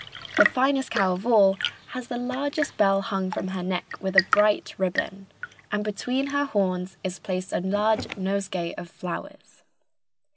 The finest cow of all has the largest bell hung from her neck with a bright ribbon, and between her horns is placed a large nosegay of flowers.